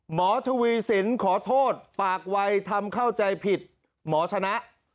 หมอทวีสินขอโทษปากวัยทำเข้าใจผิดหมอชนะ